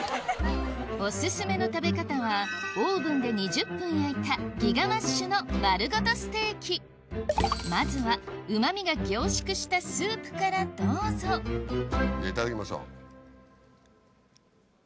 お薦めの食べ方はオーブンで２０分焼いたＧＩＧＡマッシュの丸ごとステーキまずはうま味が凝縮したスープからどうぞいただきましょう。